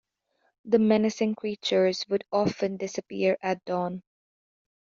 The menacing creatures would often disappear at dawn.